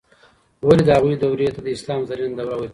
ولې د هغوی دورې ته د اسلام زرینه دوره ویل کیږي؟